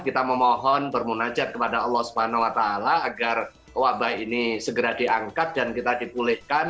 kita memohon bermunajat kepada allah swt agar wabah ini segera diangkat dan kita dipulihkan